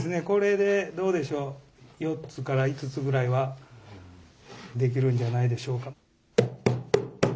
これでどうでしょう４つから５つぐらいはできるんじゃないでしょうか。